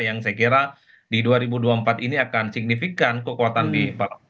yang saya kira di dua ribu dua puluh empat ini akan signifikan kekuatan di